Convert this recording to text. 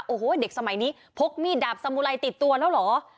โอ้โหเด็กสมัยนี้พกมีดดาบสมุไรติดตัวแล้วเหรอ